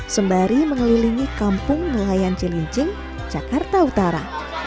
sembari mengelilingi kampung nelayan cilincing jakarta utara